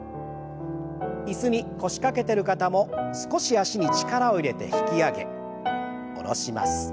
椅子に腰掛けてる方も少し脚に力を入れて引き上げ下ろします。